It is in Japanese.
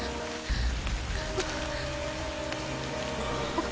あっ！